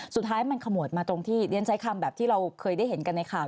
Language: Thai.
สุดท้ายมันขมวดมาตรงที่เรียนใช้คำแบบที่เราเคยได้เห็นกันในข่าว